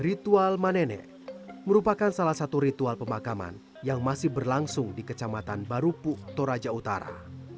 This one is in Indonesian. ritual manene merupakan salah satu ritual pemakaman yang masih berlangsung di kecamatan barupu toraja utara